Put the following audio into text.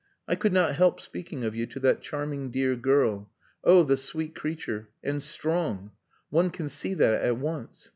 I could not help speaking of you to that charming dear girl. Oh, the sweet creature! And strong! One can see that at once.